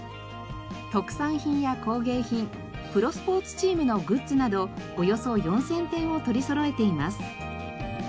特産品や工芸品プロスポーツチームのグッズなどおよそ４０００点を取りそろえています。